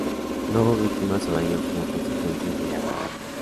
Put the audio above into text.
No hubo víctimas o daños como consecuencia de Earl.